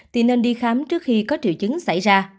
thì nên đi khám trước khi có triệu chứng xảy ra